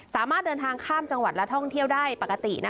สามารถเดินทางข้ามจังหวัดและท่องเที่ยวได้ปกติ